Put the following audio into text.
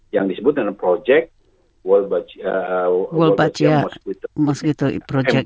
yang disebut dengan projek wolbachia mosquito project